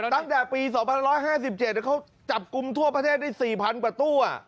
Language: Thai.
ตั้งแต่ปี๒๕๕๗เขาจับกลุ่มทั่วประเทศได้๔๐๐๐กว่าตู้